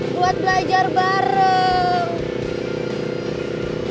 buat belajar bareng